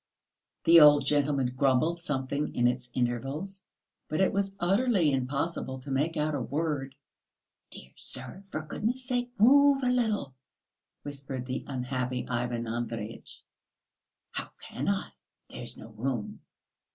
The old gentleman grumbled something in its intervals, but it was utterly impossible to make out a word. "Dear sir, for goodness' sake, move a little," whispered the unhappy Ivan Andreyitch. "How can I? There's no room."